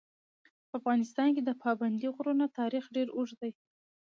په افغانستان کې د پابندي غرونو تاریخ ډېر اوږد دی.